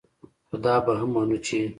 خو دا به هم منو چې